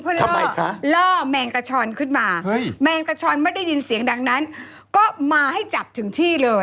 เพื่อล่อแมงกระชอนขึ้นมาแมงกระชอนไม่ได้ยินเสียงดังนั้นก็มาให้จับถึงที่เลย